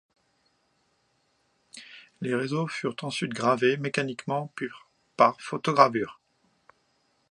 Les réseaux furent ensuite gravés mécaniquement puis par photogravure.